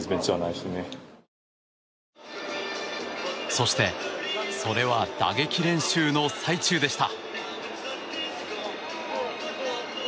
そしてそれは打撃練習の最中でした。